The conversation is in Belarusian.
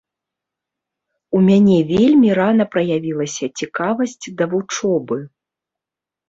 У мяне вельмі рана праявілася цікавасць да вучобы.